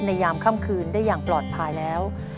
ยามค่ำคืนได้อย่างปลอดภัยแล้ว